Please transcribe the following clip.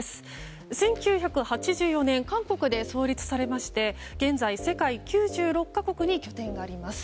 １９８４年韓国で創立されまして現在、世界９６か国に拠点があります。